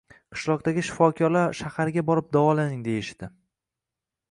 Qishloqdagi shifokorlar, shaharga borib davolaning, deyishdi